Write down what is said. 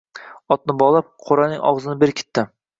Otni bog‘lab, qo‘raning og‘zini berkitdi.